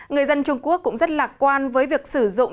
người dân trung quốc cũng rất lạc quan với việc sử dụng